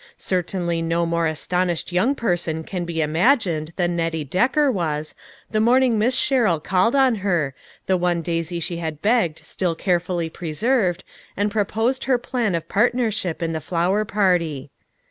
Certainly no more astonished 288 AN ORDEAL. 289 young person can be imagined than Nettie Decker was, the morning Miss Sherrill called on her, the one daisy she had begged still carefully preserved, and proposed her plan of partnership in the flower party.